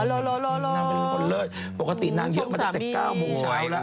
นางเป็นคนเลิศปกตินางเยอะมาตั้งแต่๙โมงเช้าแล้ว